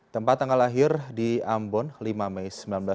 tempat tanggal lahir di ambon lima mei